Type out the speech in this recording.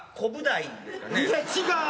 いや違う！